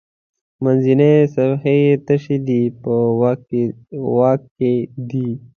منځنۍ صفحې یې تشې دي په واک کې دي.